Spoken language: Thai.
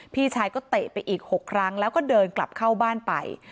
พี่ชายก็เตะไปอีก๖ครั้งแล้วก็เดินกลับเข้าบ้านไป